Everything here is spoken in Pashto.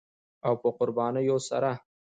او په قربانیو سره